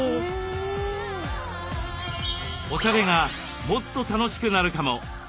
おしゃれがもっと楽しくなるかも！